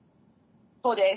そうです。